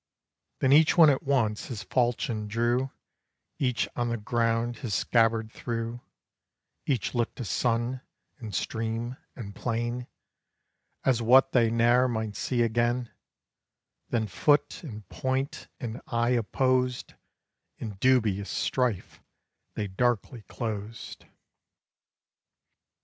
Then each at once his falchion drew, Each on the ground his scabbard threw, Each looked to sun, and stream, and plain, As what they ne'er might see again; Then foot, and point, and eye opposed, In dubious strife they darkly closed.